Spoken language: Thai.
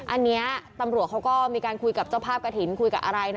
อันนี้ตำรวจเขาก็มีการคุยกับเจ้าภาพกระถิ่นคุยกับอะไรนะ